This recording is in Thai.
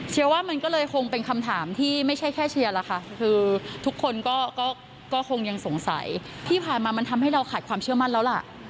ว่ามันก็เลยคงเป็นคำถามที่ไม่ใช่แค่เชียร์ล่ะค่ะคือทุกคนก็คงยังสงสัยที่ผ่านมามันทำให้เราขาดความเชื่อมั่นแล้วล่ะ